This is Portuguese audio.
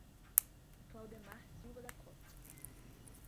Claudemar Silva da Costa